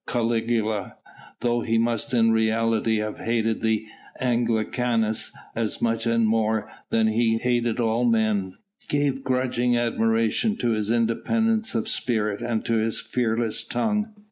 Caligula though he must in reality have hated the Anglicanus as much and more than he hated all men gave grudging admiration to his independence of spirit and to his fearless tongue.